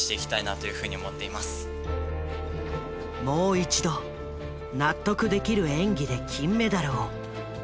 もう一度納得できる演技で金メダルを。